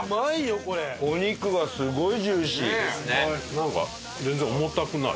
なんか全然重たくない。